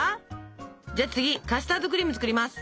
じゃあ次カスタードクリーム作ります。